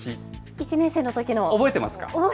１年生のときの、覚えています。